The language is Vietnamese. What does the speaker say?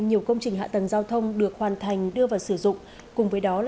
nhiều công trình hạ tầng giao thông được hoàn thành đưa vào sử dụng cùng với đó là